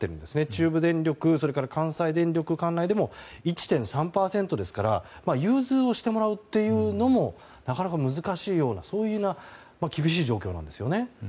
中部電力、関西電力管内でも１．３％ですから融通をしてもらうというのもなかなか難しいような厳しい状況なんです。